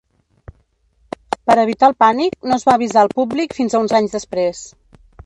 Per evitar el pànic, no es va avisar el públic fins a uns anys després.